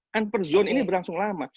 convert zone ini berlangsung lama